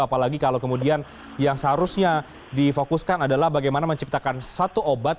apalagi kalau kemudian yang seharusnya difokuskan adalah bagaimana menciptakan satu obat